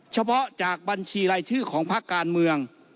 เฉพาะจากบัญชีรายชื่อของภาคการเมือง